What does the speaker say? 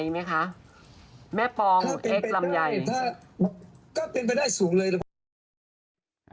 ก็เป็นไปได้สูงเลย